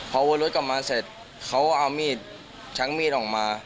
พอวนรถกลับมาเสร็จเขาเอามีดช้างมีดออกมา